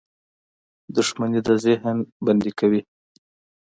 • دښمني د ذهن بندي کوي.